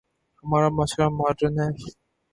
ہمارا معاشرہ ماڈرن ہے۔